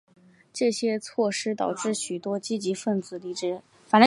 这些措施导致许多积极份子离职。